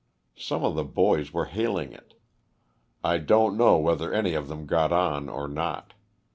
Some of the boys were hailing it. I don't know whether any of them got on or not.